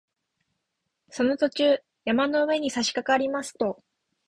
その途中、山の上にさしかかりますと